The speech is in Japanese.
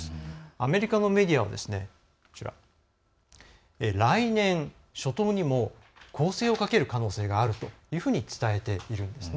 アメリカのメディアは来年初頭にも攻勢をかける可能性があるというふうに伝えているんですね。